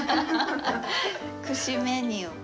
串メニュー。